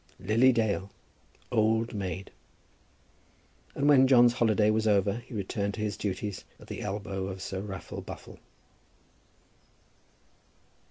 "Lilian Dale, Old Maid." And when John's holiday was over, he returned to his duties at the elbow of Sir Raffle Buffle.